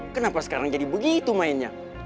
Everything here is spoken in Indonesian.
kenapa sekarang jadi begitu mainnya